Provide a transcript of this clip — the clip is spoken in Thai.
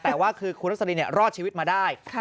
แต่ว่าคือคุณรสลินรอดชีวิตมาได้